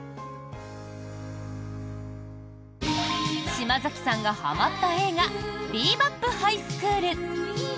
島崎さんがはまった映画「ビー・バップ・ハイスクール」。